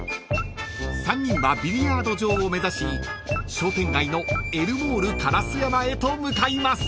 ［３人はビリヤード場を目指し商店街のえるもーる烏山へと向かいます］